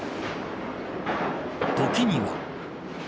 時には。